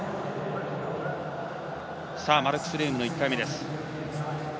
マルクス・レームの１回目です。